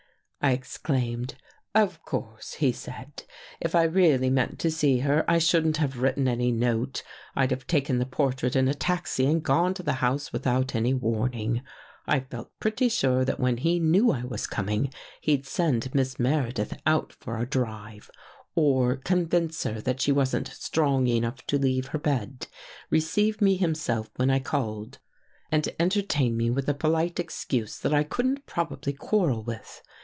" I exclaimed. " Of course," he said, " if I really meant to see her, I shouldn't have written any note. I'd have taken the portrait in a taxi and gone to the house without any warning. I felt pretty sure that when he knew I was coming, he'd send Miss Meredith out for a drive, or convince her that she wasn't strong enough to leave her bed; receive me himself when I called, and entertain me with a polite excuse that I couldn't possibly quarrel with.